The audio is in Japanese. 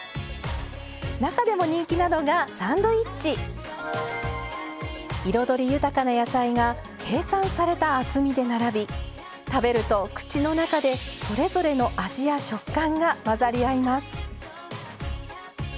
中でも人気なのが彩り豊かな野菜が計算された厚みで並び食べると口の中でそれぞれの味や食感が混ざり合います